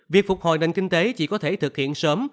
việc phục hồi nền kinh tế chỉ có thể thực hiện sớm